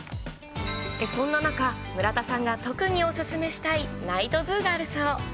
そんな中、村田さんが特にお勧めしたいナイトズーがあるそう。